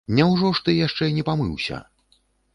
Няўжо ж ты яшчэ не памыўся?